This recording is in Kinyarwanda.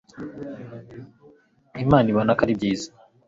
imana ibona ko ari byiza